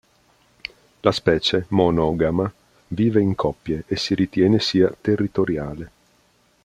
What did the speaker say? La specie, monogama, vive in coppie, e si ritiene sia territoriale.